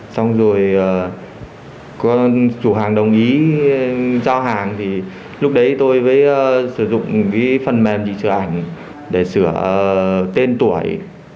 xong rồi chủ hàng đồng ý giao hàng lúc đấy tôi sử dụng phần mềm chỉ sửa ảnh để sửa tên tuổi